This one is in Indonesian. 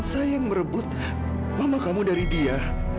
saya yang merebut mama kamu dari dia